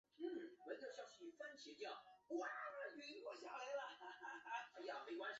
表示书籍出版时已经去世。